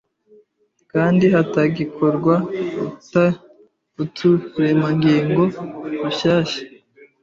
kandi hatagikorwa uturemangingo dushyashya